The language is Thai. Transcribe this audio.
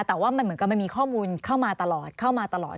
แต่ว่าเหมือนมันก็ไม่มีข้อมูลเข้ามาตลอด